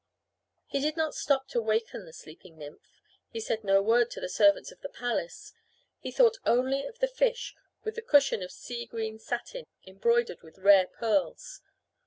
He did not stop to waken the sleeping nymph. He said no word to the servants of the palace. He thought only of the fish with the cushion of sea green satin embroidered with rare pearls.